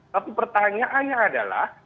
tapi pertanyaannya adalah